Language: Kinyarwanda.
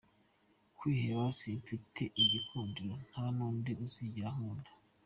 Kwiheba: ‘Si mfite igikundiro, nta n’undi uzigera ankunda.